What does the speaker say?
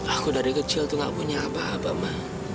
aku dari kecil tuh nggak punya apa apa ma